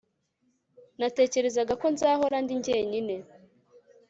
Natekerezaga ko nzahora ndi jyenyine